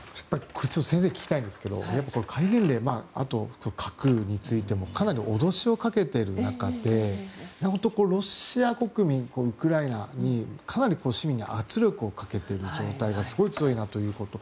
先生に聞きたいんですけど、戒厳令あと核についてもかなり脅しをかけている中でロシア国民、ウクライナにかなり市民が圧力かけている状態がすごい強いなということ。